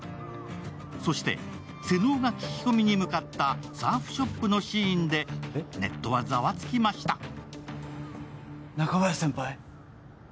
そして瀬能が聞き込みに向かったサーフショップのシーンでネットはざわつきました。